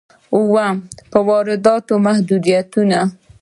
اووم: په وارداتو محدودیتونه.